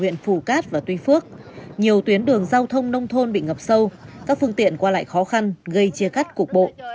nhiều tuyến đường giao thông nông thôn bị ngập sâu các phương tiện qua lại khó khăn gây chia cắt cục bộ